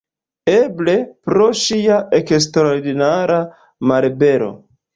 Eble pro ŝia eksterordinara malbelo.